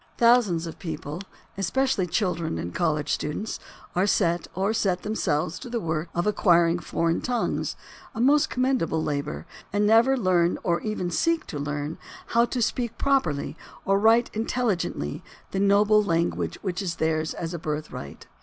Thousands of people, especially children and college youths, are set or set themselves to the work of acquiring foreign tongues, a most commendable labor, and never learn or even seek to learn how to speak properly or write intelligently the noble lan guage which is theirs as a birthright.